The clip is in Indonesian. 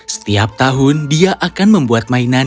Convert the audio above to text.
setiap tahun dia akan membuat mainan